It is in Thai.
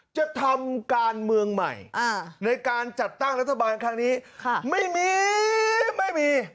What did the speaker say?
จะทำการเมืองใหม่ในการจัดตั้งรัฐบาลครั้งนี้ไม่มีไม่มี